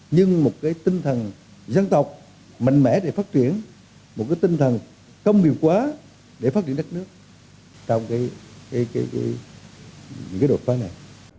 nhưng một tinh thần dân tộc mạnh mẽ để phát triển một cái tinh thần công nghiệp quá để phát triển đất nước trong những đột phá này